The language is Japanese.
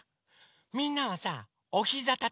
みんなはさおひざたたいて。